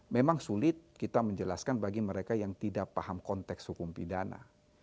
memang sulit kita menjelaskan bagi mereka yang tidak paham konteks hukum pidana